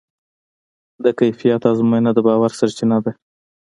د کیفیت ازموینه د باور سرچینه ده.